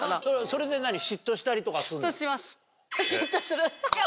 それで嫉妬したりとかするの？ハハハ。